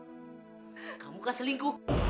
aku gak selingkuh